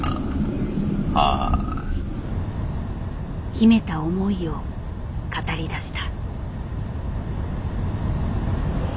秘めた思いを語りだした。